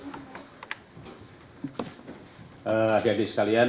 terima kasih pak kapolda dan tim secara langsung